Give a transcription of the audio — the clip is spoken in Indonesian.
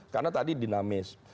karena tadi dinamis